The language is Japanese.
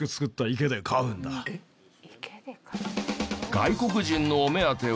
外国人のお目当ては。